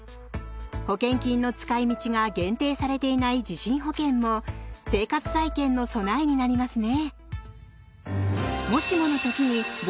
保険金の使い道が限定されていない地震保険も生活再建の備えになりますね。